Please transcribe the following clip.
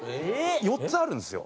４つあるんですよ。